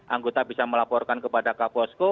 anggota bisa melaporkan kepada kaposko